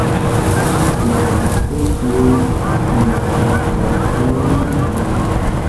Ŝi ricevis pro tio nomumon por "Golden Globe".